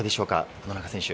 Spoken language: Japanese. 野中選手。